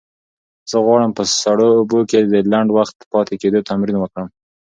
زه غواړم په سړو اوبو کې د لنډ وخت پاتې کېدو تمرین وکړم.